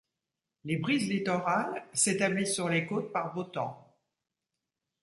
Les brises littorales s'établissent sur les côtes par beau temps.